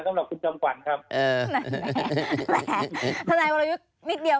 สำหรับคุณจำกวันครับเออแหละแหละธนายวรรยุคนิดเดียว